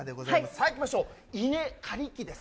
さあいきましょう、稲刈り機です。